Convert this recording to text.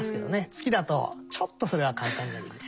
月だとちょっとそれは簡単にはできない。